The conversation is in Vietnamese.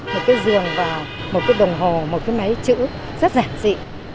một cái giường và một cái đồng hồ một cái máy chữ rất giản dị